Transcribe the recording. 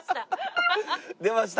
出ました！